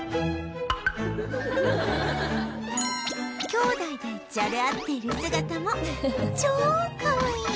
きょうだいでじゃれ合っている姿も超かわいい！